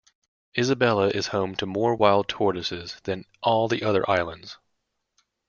Isabela is home to more wild tortoises than all the other islands.